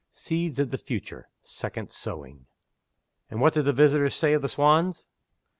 SEEDS OF THE FUTURE (SECOND SOWING). AND what did the visitors say of the Swans?